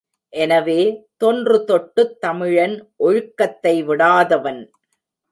எனவே, தொன்று தொட்டுத் தமிழன் ஒழுக்கத்தை விடாதவன்.